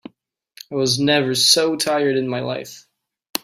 I was never so tired in my life.